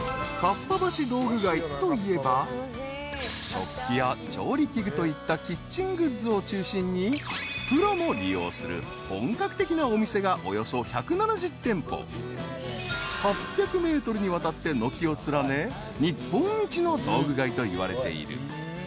［食器や調理器具といったキッチングッズを中心にプロも利用する本格的なお店がおよそ１７０店舗８００ｍにわたって軒を連ね日本一の道具街といわれている］